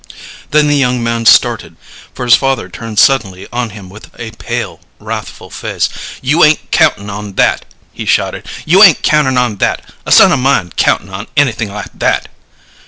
Then the young man started, for his father turned suddenly on him with a pale, wrathful face. "You ain't countin' on that!" he shouted. "You ain't countin' on that a son of mine countin' on anything like that!"